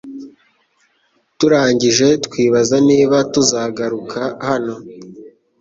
Turangije twibaza niba tuzagaruka hano?